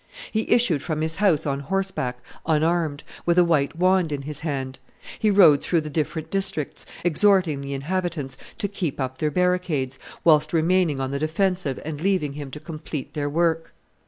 He issued from his house on horseback, unarmed, with a white wand in his hand; he rode through the different districts, exhorting the inhabitants to keep up their barricades, whilst remaining on the defensive and leaving him to complete their work.